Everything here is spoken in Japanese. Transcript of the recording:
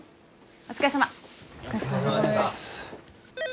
お疲れさまです。